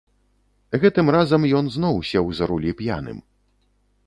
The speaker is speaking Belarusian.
Гэтым разам ён зноў сеў за рулі п'яным.